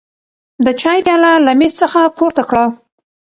د چای پیاله له مېز څخه پورته کړه.